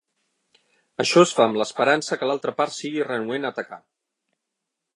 Això es fa amb l'esperança que l'altra part sigui renuent a atacar.